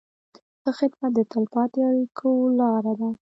ښه خدمت د تل پاتې اړیکې لاره ده.